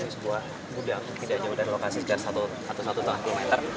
sebuah udang tidak jauh dari lokasi sekitar satu atau satu dan satu puluh meter